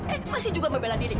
eh masih juga membela diri